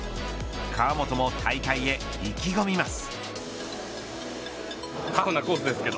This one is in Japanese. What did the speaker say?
河本も大会へ意気込みます。